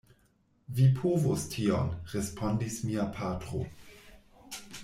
Vi povos tion, respondis mia patro.